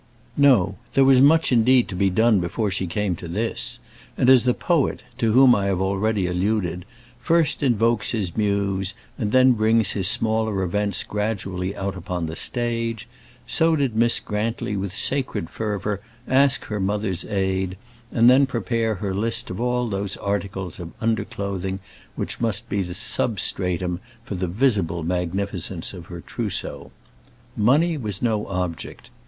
No; there was much indeed to be done before she came to this; and as the poet, to whom I have already alluded, first invokes his muse, and then brings his smaller events gradually out upon his stage, so did Miss Grantly with sacred fervour ask her mother's aid, and then prepare her list of all those articles of under clothing which must be the substratum for the visible magnificence of her trousseau. Money was no object.